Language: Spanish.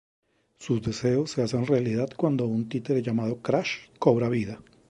Sus deseos se hacen realidad cuando un títere llamado Crash cobra vida.